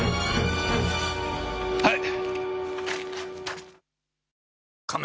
はい！